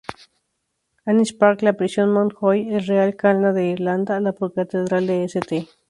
Anne's Park, la Prisión Mountjoy, el Real Canal de Irlanda, la Pro-Catedrál de St.